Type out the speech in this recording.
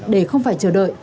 để không phải chờ đợi